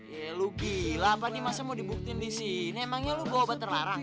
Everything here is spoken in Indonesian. ya lu gila apa nih masa mau dibuktin disini emangnya lu bawa obat terlarang